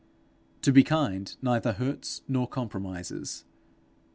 To be kind neither hurts nor compromises.